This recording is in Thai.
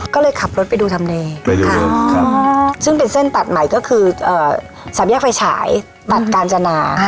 ก็เลยขับรถไปดูทำเลไปดูซึ่งเป็นเส้นตัดใหม่ก็คือสามแยกไฟฉายตัดกาญจนา